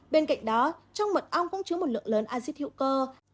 bên cạnh đó trong mật ong cũng chứa một lượng lớn acid hữu cơ